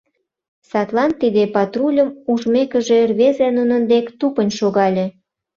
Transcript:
Садлан, тиде патрульым ужмекыже, рвезе нунын дек тупынь шогале.